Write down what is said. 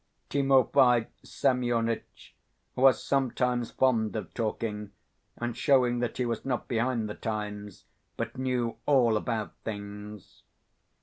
Timofey Semyonitch was sometimes fond of talking and showing that he was not behind the times, but knew all about things.